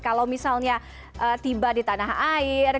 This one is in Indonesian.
kalau misalnya tiba di tanah air